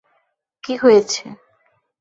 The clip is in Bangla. কি হয়েছে?